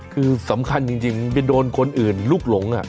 คือสำคัญจริงไปโดนคนอื่นลุกหลง